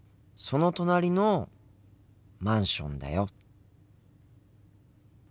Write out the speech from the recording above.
その隣のマンションだよ。